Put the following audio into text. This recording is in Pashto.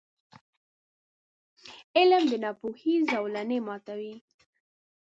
• علم، د ناپوهۍ زولنې ماتوي.